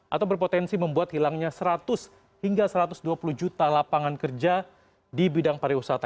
atau berpotensi membuat hilangnya seratus hingga satu ratus dua puluh juta lapangan kerja di bidang pariwisata